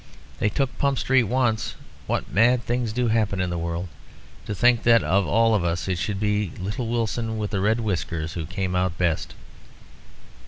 They took Pump Street once. What mad things do happen in the world. To think that of all of us it should be little Wilson with the red whiskers who came out best."